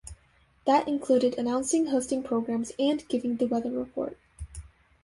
That included announcing, hosting programs, and giving the weather report.